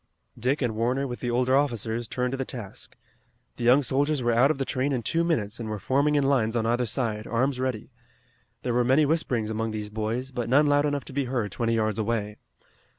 Dick and Warner with the older officers turned to the task. The young soldiers were out of the train in two minutes and were forming in lines on either side, arms ready. There were many whisperings among these boys, but none loud enough to be heard twenty yards away.